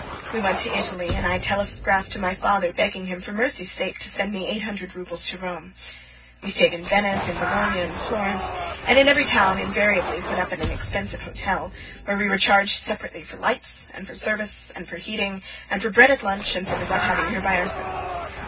We went to Italy, and I telegraphed to my father begging him for mercy's sake to send me eight hundred roubles to Rome. We stayed in Venice, in Bologna, in Florence, and in every town invariably put up at an expensive hotel, where we were charged separately for lights, and for service, and for heating, and for bread at lunch, and for the right of having dinner by ourselves.